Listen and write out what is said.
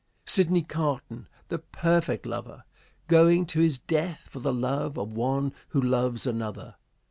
Sidney Carton, the perfect lover, going to his death for the love of one who loves another.